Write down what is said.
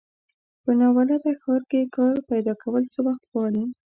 په ناولده ښار کې کار پیداکول څه وخت غواړي.